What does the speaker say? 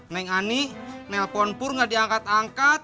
neng ani nelfon pur gak diangkat angkat